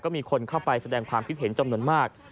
มีคนเข้าไปแสดงความคิดเห็นจำนวนมาก